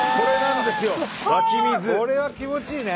これは気持ちいいね。